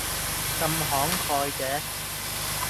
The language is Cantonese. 咁慷慨嘅